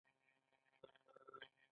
ایران د شانګهای سازمان غړی شو.